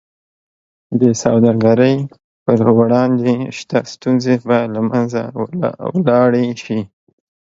د سوداګرۍ پر وړاندې شته ستونزې به له منځه ولاړې شي.